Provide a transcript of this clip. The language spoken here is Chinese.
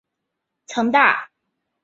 曾大量装备中国人民解放军部队。